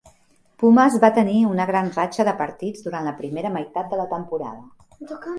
Pumas va tenir una gran ratxa de partits durant la primera meitat de la temporada.